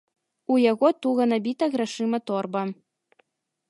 У яго туга набіта грашыма торба.